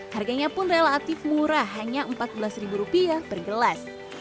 harganya pun relatif murah hanya rp empat belas per gelas